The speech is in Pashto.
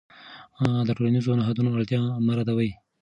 د ټولنیزو نهادونو اړتیا مه ردوه.